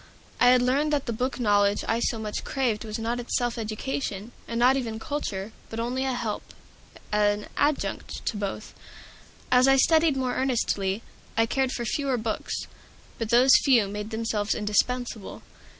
I had learned that the book knowledge I so much craved was not itself education, was not even culture, but only a help, an adjunct to both. As I studied more earnestly, I cared for fewer books, but those few made themselves indispensable.